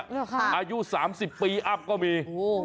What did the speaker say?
อายุ๓๐ปีอับก็มี